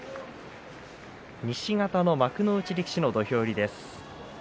西方の幕内力士の土俵入りです。